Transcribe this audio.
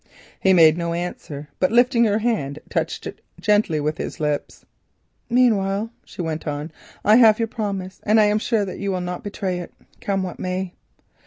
He made no answer, but lifting her hand touched it gently with his lips. "Meanwhile," she went on, "I have your promise, and I am sure that you will not betray it, come what may."